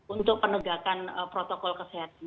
untuk penegakan protokol kesehatan